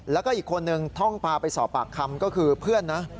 แล้วก็อีกคนนึงท่องพาไปสอบปากคำก็คือเพื่อนนะ